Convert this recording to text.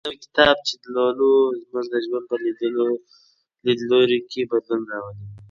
هر نوی کتاب چې لولو زموږ د ژوند په لیدلوري کې بدلون راولي.